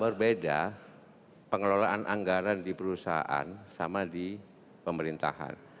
berbeda pengelolaan anggaran di perusahaan sama di pemerintahan